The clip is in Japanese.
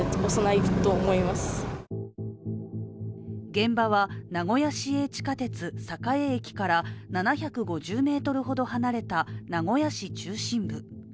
現場は名古屋市営地下鉄・栄駅から７５０ｍほど離れた名古屋市中心部。